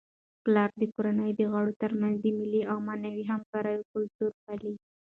پلار د کورنی د غړو ترمنځ د مالي او معنوي همکاریو کلتور پالي.